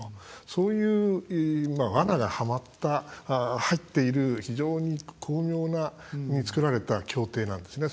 そういう、わながはまった入っている、非常に巧妙に作られた協定なんですね。